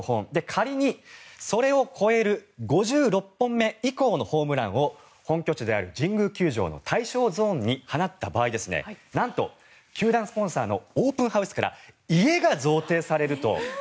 仮にそれを超える５６本目以降のホームランを本拠地である神宮球場の対象ゾーンに放った場合なんと球団スポンサーのオープンハウスから家が贈呈されると。